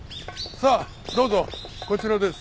さあどうぞこちらです。